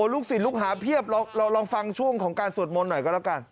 ศิลปลูกหาเพียบเราลองฟังช่วงของการสวดมนต์หน่อยก็แล้วกัน